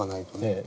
ええ。